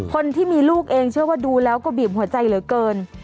คนที่มีลูกเองเชื่อว่าดูแล้วก็บีบหัวใจเหลือเกิน